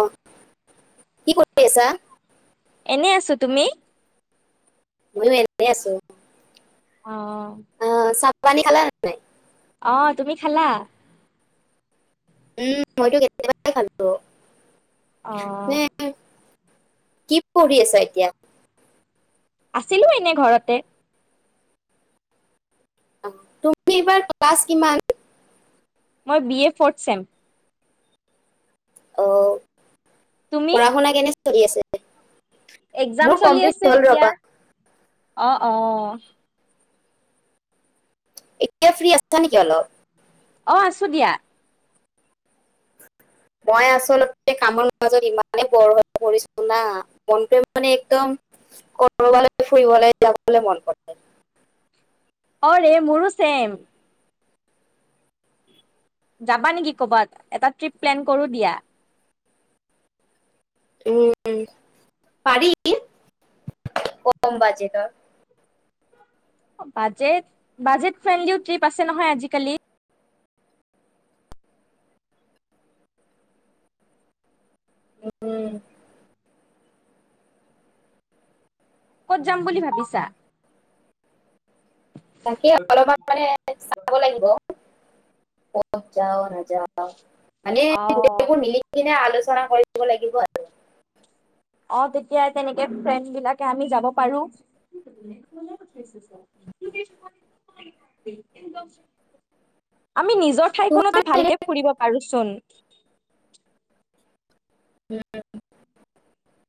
অ কি কৰি আছা? এনে আছো তুমি? ময়ো এনেই আছো। আহ। চ পানী খালা ন নাই? অ তুমি খালা? উম মইতো কেতিয়াবে খালো। আহ। নে কি পঢ়ি আছ এতিয়া? আছিলো এনে ঘৰতে তুমি এইবাৰ ক্লাছ কিমান? মই বি এ ফৰ্থ ছেম। অ'। পঢ়া-শুনা কেনে। চলি আছে। এক্‌জাম মোৰ চলি কমপ্লিট আছে হ'ল এতিয়া। ৰবা অ', অ'। এতিয়া ফ্ৰী আছা নেকি অলপ? অ', আছোঁ দিয়া। মই আচলতে কামৰ মাজত ইমানেই বৰ হৈ পৰিছোঁ না, মনটো মানে একদম কৰবালৈ ফুৰিবলৈ যাবলৈ মন কৰে। অ'ৰে মোৰো চেইম। যাবা নেকি ক'বাত এটা ট্ৰিপ প্লেন কৰো দিয়া। উম, পাৰি কম বাজেটৰ। বাজেট বাজেট ফ্ৰেণ্ডলিও ট্ৰিপ আছে নহয় আজিকালি। উম। ক'ত যাম বুলি ভাবিছা? তাকে অলপমান মানে চাব লাগিব। কত যাওঁ ন? যাওঁ, মানে অ গোটেইবিলাক মিলি কিনে আলোচ [unintelligible] কৰিব লাগিব। অ তেতিয়া তেনেকে ফ্ৰেণ্ড বিলাকে আমি যাব। পাৰোঁ। আমি নিজৰ তোমাৰ ঠাইখনতে মানে এনে ভালকে ফুৰিব পাৰোঁচোন। উম।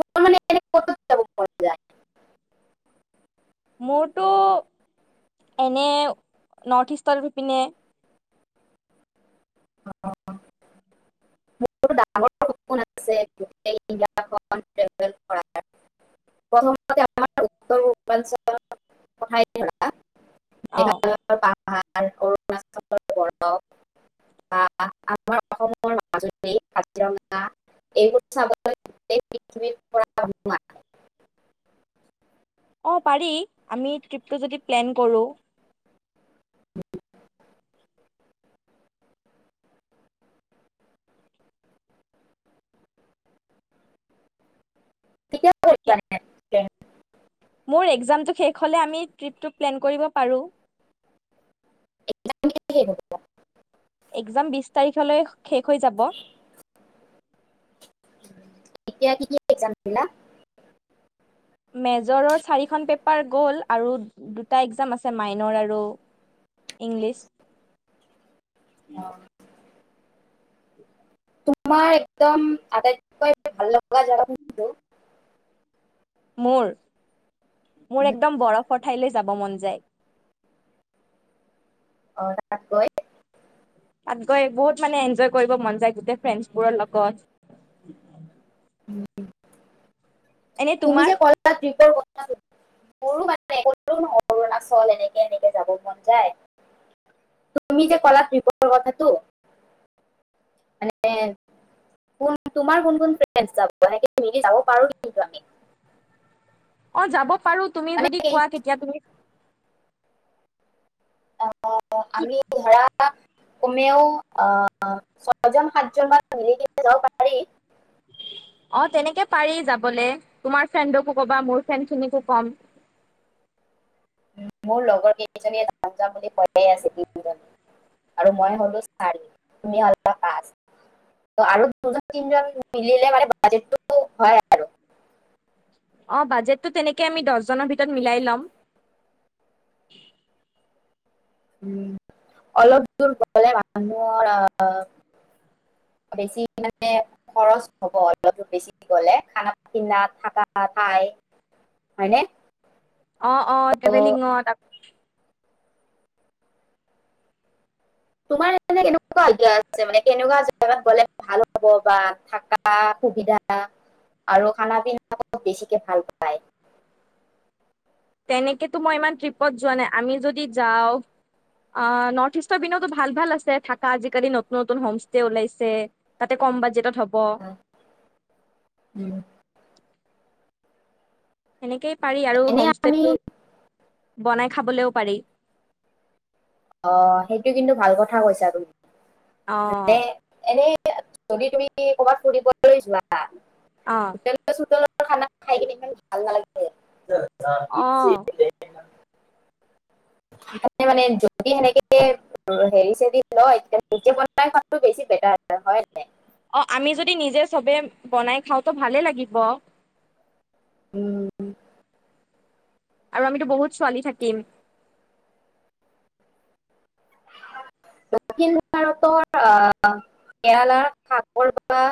তোমাৰ মানে এনে ক'ত ক'ত যাব মন যায়? মোৰতো এনে নৰ্থ-ইষ্টৰ সিপিনে। [unintelligible] আছে। [unintelligible] [inaudible] প্ৰথমতে আমাৰ উত্তৰ পূৰ্বাঞ্চলৰ অ', [unintelligible] ভাল। অৰুণাচলৰ বৰফ বা আমাৰ অসমৰ মাজুলী। এই কাজিৰঙা, এইবোৰ চাবলৈ গোটেই পৃথিৱীৰ পৰা [unintelligible] অ', পাৰি আমি ট্ৰিপটো যদি প্লেন কৰোঁ। কেতিয়া কৰিবানে মোৰ এক্‌জামটো শেষ। হ'লে আমি ট্ৰিপটো প্লেন কৰিব পাৰোঁ। [unintelligible] এক্‌জাম বিছ তাৰিখলৈ শেষ হৈ যাব। এতিয়া কি কি এক্‌জাম দিলা? মেজৰৰ চাৰিখন পেপাৰ গ'ল, আৰু দুটা এক্‌জাম আছে মাইনৰ আৰু ইংলিছ। অ'। [inaudible] তোমাৰ একদম আটাইতকৈ ভাল লগা জাগা কোনটো? মোৰ? মোৰ একদম বৰফৰ ঠাইলে যাব মন। যায়। অ তাত গৈ। তাত গৈ বহুত মানে এনজয় কৰিব মন যায়, গোটেই ফ্ৰেণ্ডছবোৰৰ লগত। [inaudible] এনে তুমি তোমাৰ যে কলা, ট্ৰিপৰ কথা। [unintelligible] মোৰো অৰুণাচল এনেকে এনেকে যাব মন যায়। তুমি যে কলা টিপৰ কথাটো, মানে কোন তোমাৰ কোন কোন ফ্ৰেড যাব সে তি যাব পাৰোঁ নেকি আমি? অ যাব। পাৰোঁ তুমি মানে যদি কি, কোৱা কেতিয়া তুমি। অ কি আমি ধৰা কমেও আহ ছয়জন সাতজনমান মিলি যাব পাৰি। অ তেনেকে পাৰি যাবলে তোমাৰ ফ্ৰেণ্ডকো কবা মোৰ ফ্ৰেণ্ড খিনিকো কম। মোৰ লগৰ কেইজনীয়ে যাম যাম বুলি কৈয়েই আছে। তিনিজনী আৰু মই হলো চাৰি তুমি হলা পাঁচ আৰু দুজন তিনিজন মিলিলে মানে বাজেটতো হয় আৰু। অ বাজেটটো তেনেকে আমি দহজনৰ ভিতৰত মিলাই ল'ম। উ অলপ দূৰ গলে মানুহৰ আহ বেছি মানে খৰচ হব, অলপ দূৰ বেছি গলে খানা পিনা থাকা ঠাই হয়নে? অ অ তো ট্ৰেভেলিঙত ত তোমাৰ এ কেনেকুৱা আজ্ঞা আছে মানে কেনেকুৱা জেগাত গলে ভাল হব বা থকা সুবিধা আৰু খানা পিনা খব বেছিকে ভাল পায়। তেনেকেতো মই ইমান ট্ৰিপত যোৱা নাই, আমি যদি যাওঁ আঁহ নৰ্থ ইষ্টৰ পিনতো ভাল ভাল আছে থাকা আজিকালি নতুন নতুন হোম ষ্টে ওলাইছে তাতে কম বাজেটত। হ'ব [inaudible] এনেকেই পাৰি আৰু এনে আমি হোমস্তেটো বনাই খাবলেও পাৰি। অ সেইটো কিন্তু ভাল কথা কৈছা তুমি। অ এনেই এনেই। যদি তুমি কবাত ফুৰিবলৈ যোৱা। অ সোতেলত খা খাই কিনে ইমান ভাল নালাগে। অ অ। মানে। যদি সেনেকে হেৰি চ লয় তে নিজে বনাই খোৱাটো বেছি বেটাৰ হয়। অ আমি যদি নিজে চবে বনাই খাওঁতো ভালে লাগিব। উম। আৰু আমিটোটো বহুত ছোৱালী থাকিম। দক্ষিণ ভাৰতৰ আহ কেৰালাৰ সাগৰ বা।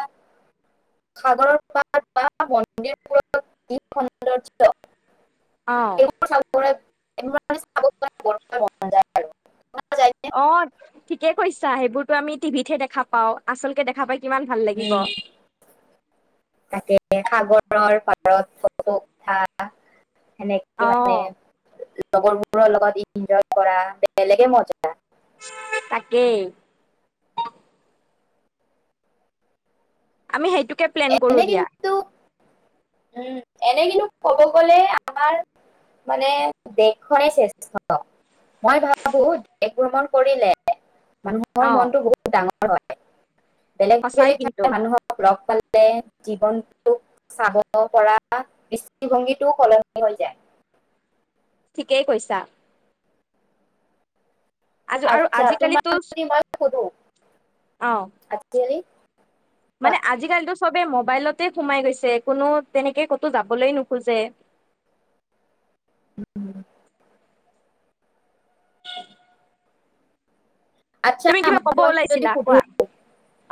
সাগৰৰ প বা মন্দিৰবোৰত স। অ এইবোৰ চৰে আৰু মন যায় নে? অ ঠিকে কৈছা সেইবোৰতো আমি টিভিতহে দেখা পাও আচলতেে দেখা পাই কিমান ভাল লাগিব। ততে সাগৰৰ পাৰত ফটো উঠা। সেনেকে মানে। অঁ লগৰবোৰৰ লগত এনজয় কৰা বেলেগে মজা। তাকেই। আমি সেইটো। প্লেন কৰো এনে দিয়া। কিন্তু উম এনে কিন্তু ক'ব গলে আমাৰ মানে দেশখনে শ্ৰেষ্ঠ মই ভাবো দেশ ভ্ৰমণ কৰিলে মানুহৰ অঁ মনতটো বহুত ডাঙৰ। হয়। বেলেগ সঁচাই বেলেগ কিন্তু ঠাই মানুহক লগ পালে। জীৱনটোক চাব। পৰা দৃষ্টিভংগীটো সলনি হৈ যায়। ঠিকেই কৈছা। আজ আৰু আচ্ছা তোম আজিকালিতো ম কৰ। অঁ আতিযালি মানে আজিকালিটো। চবে মোবাইলতে সোমাই গৈছে কোনো তেনেকে ক'তো যাবলৈ নোখোজে। উম [unintelligible] ন [unintelligible] আচ্ছা মই ক'ব তোমাক যদি ওলাইছিলা সুধো কোৱা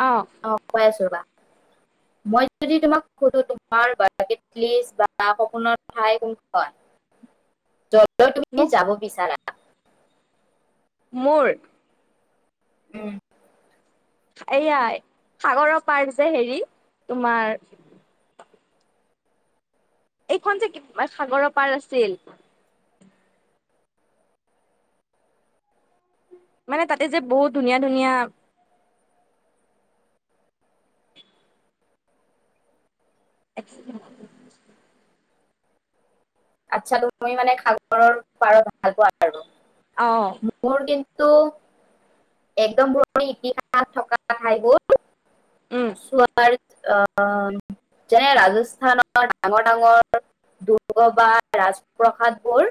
অঁ অ কৈ আছো বা। মই যদি তোমাক সোধো তোমাৰলি বা সপোনৰ ঠাই। ত তুমি মোক যাব বিচাৰা। মোৰ উম এয়াই সাগৰৰ পাৰ যে হেৰি তোমাৰ এইখন যে সাগৰৰ পাৰ আছিল। মানে তাতে যে বহুত ধুনীয়া ধুনীয়া [inaudible] [unintelligible] আচ্ছা তুমি মানে সাগৰৰ পাৰত নোযোৱা আৰু। অঁ মোৰ কিন টো একদম পুৰণি ইতিহাস থকা ঠাইবোৰ উম চোৱাৰ অহ যেনে ৰাজস্থানৰ ডাঙৰ ডাঙৰ দুৰ্গ বা ৰাজপ্ৰসাদ বোৰ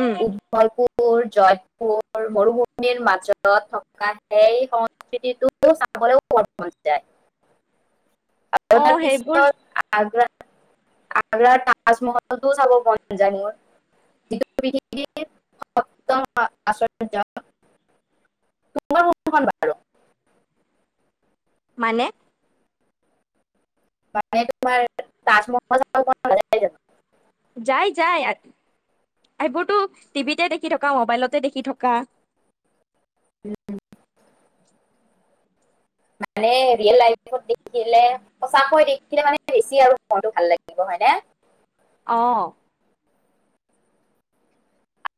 উম [unintelligible] পুৰ, জয়পুৰ মৰুভূণিৰ মাজত থকা সেই সংস্কৃতিটো চাবলৈও বত মন যায়। অঁ [unintelligible] সেইবোৰ পিছত আগ্ৰা আগ্ৰাৰ তাজমহলতো চাব মন যায় মোৰ। যিটো পৃথিৱীৰ [unintelligible] মানে? মানে তোমাৰ তাজমহল চাব মন নাযায় জানো? যাই যাই। আহবোৰতো টিভিতে দেখি থকা মোবাইলোতে দেখি থকা। মানে ৰিয়েল লাইফত দেখিলে সঁচাকৈ দেখিলে মানে বেছি আৰু মনটো ভাল লাগিব। হয়নে? অ।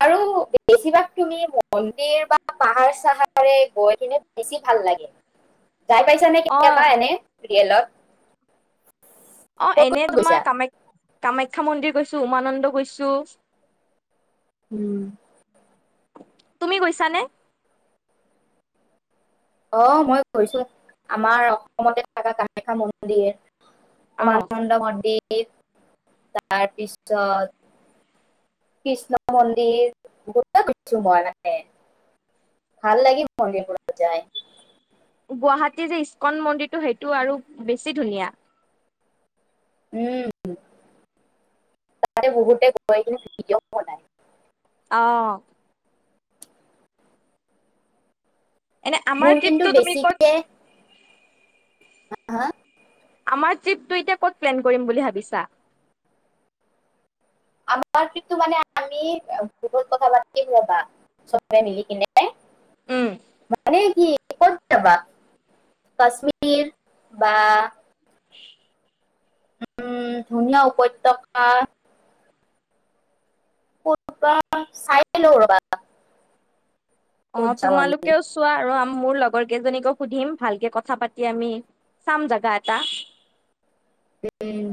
আৰু বেছিভাগ তুমি মন্দিৰ বা পাহাৰ চাহাৰে গৈ কিনে বেছি ভাল লাগে। যাই পাইছা নে অ কেতিয়াবা এনে? ৰিয়েলত অ ক'ত এনেই ক'ত তোমাৰ গৈছা কামাখ্য কামাখ্যা মন্দিৰ গৈছো, উমানন্দ গৈছো। হুও। তুমি গৈছানে? অ মই গৈছো। আমাৰ অসমতে থকা কামাখ্যা মন্দিৰ অ উমানণ্ড মন্দিৰ [unintelligible] তাৰপিছত কৃষ্ণ মন্দিৰ গ কিছু মই মানে, ভাল লাগে মন্দিৰবোৰত যায়। গুৱাহাটীৰ যে ইস্কন মন্দিৰটো সেইটো আৰু বেছি ধুনীয়া। উম, তাতে বহুতে গৈ কেনে ভিডিঅ' বনায়। অ'। এনে আমাৰ মোৰ কিন্তু ট্ৰিপটো তুমি ক'ত বেছিকে হ হা। আমাৰ ট্ৰিপটো এতিয়া ক'ত প্লেন কৰিম বুলি ভাবিছা? আমাৰ কিন্তু মানে আমি গ্ৰুপত কথা ৰ'বা চবে মিলি কিনে উম মানে কি ক'ত যাবা? কাশ্মীৰ বা [inaudible] উম, ধুনীয়া উপত্যকা। ক'ত বা চাই লওঁ ৰ'বা। ক'ত অ', যাওঁ আমি তোমালোকেও চোৱা আৰু মোৰ লগ লগৰ কেইজনীকো সুধিম ভালকে কথা পাতি আমি চাম জাগা এটা। উম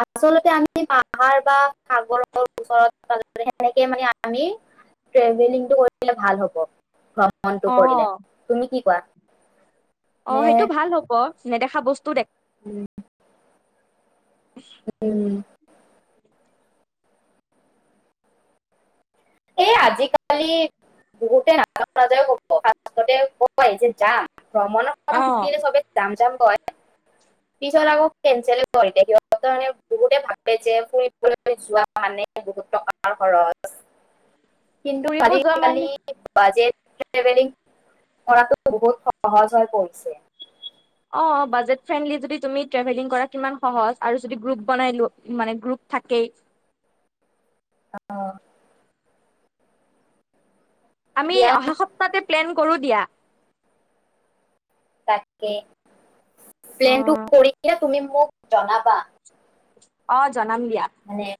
আচলতে আমি পাহাৰ বা সাগৰৰ ওচৰত সেনেকে মানে আমি টেভেলিংটো কৰিলে ভাল হব মনটো অ কৰিলে তুমি কি কোৱা অ নে সেইটো ভাল হ'ব নেদেখা বস্তু দেখ উম এই আজিকালি বহুতে নাজ [unintelligible] যায় কব কব যে যাম ভ্ৰমণৰ অ ক সুধিলে চবে যাম যাম পিছত আকৌ কেনচেল কৰি সিহঁতে বহুতে ভাবে যে ফুৰিবলৈ যোৱা মানে বহুত টকাৰ খৰচ কিন্তু ফুৰিব যোৱা আদিকালি মানে বাজেট ট্ৰেভেলিং কৰাটো বহুত সহজ হৈ পৰিছে অ বাজেট লি [unintelligible] কৰা কিন্ত সহজ আৰু্ ৰন [unintelligible] থাকেই আহ আমি দিয়া অহা সপ্তাহতে প্লেন কৰো দিয়া তাকে প্লেনটো অ', কৰি তুমি মোক জনাবা অ জনাম দিয়া উ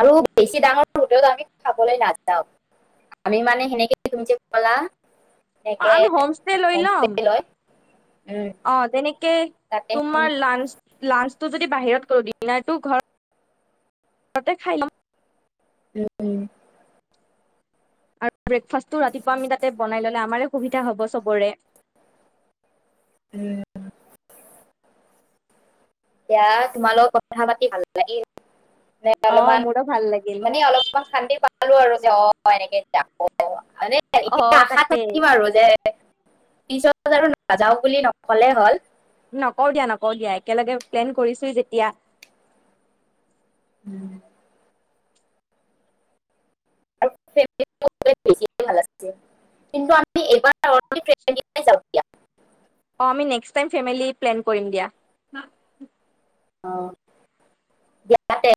আৰু বেছি ডাঙৰ হোটেলত আমি খাবলৈ নাযাওঁ আমি মানে সেনেকে তুমি যে কলা অ এনেকে আমি হোম ষ্টে লৈ হোমষ্টে লাম লৈ উম অ তেনেকে তাতে তোমাৰ উম লান্স লান্স তটো যদি বাহিৰত কৰো দিনাৰতটো ঘৰত ততে খাই লম এই আৰু ব্ৰেকফাষ্টটো ৰাতিপুৱা আমি তাতে বনাই ললে আমাৰে সুবিধা হ'ব চবৰে উম য়া [unintelligible] তোমালগত কথা পাতি ভাল লাগিল ন অ', অলপমান মোৰো ভাল লাগিল মানে অলপমান খান্দি প ালো আৰু যে অ এনেকে যাব মানে এতিয়া অ', আশা তাকেই থাকিম আৰু যে পিছত আৰু নাযাও বুলি নকলে হল নকৰওঁ দিয়া নকৰ দিয়া একেলগে প্লেন কৰিছো যেতিয়া উম কিন্তুি এবাৰ অ আমি্ নেস্ক টাইম ফেমেলি প্লেনিং কৰিড় দিয়া অ দতে